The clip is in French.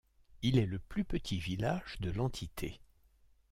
Il est le plus petit village de l'entité.